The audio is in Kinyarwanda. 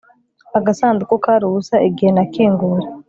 Agasanduku kari ubusa igihe nakinguye